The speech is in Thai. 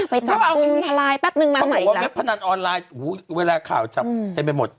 แป๊บนึงมันมาอีกแล้วเขาบอกว่าเว็บพนันออนไลน์โหเวลาข่าวจับอืมได้ไปหมด